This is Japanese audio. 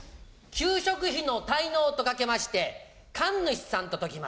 給食費の滞納と掛けまして神主さんと解きます。